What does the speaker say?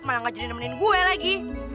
malah gak jadi nemenin gue lagi